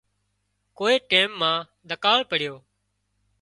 ڪوئي ٽيم مان ۮڪاۯ پڙيو